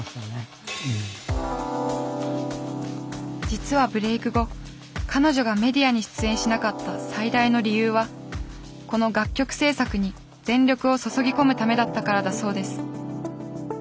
実はブレーク後彼女がメディアに出演しなかった最大の理由はこの楽曲制作に全力を注ぎ込むためだったからだそうです。